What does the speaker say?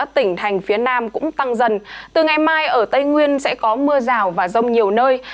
từ ngày mai ở tây nguyên sẽ có mưa rào và rông nhiều nơi